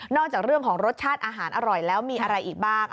จากเรื่องของรสชาติอาหารอร่อยแล้วมีอะไรอีกบ้าง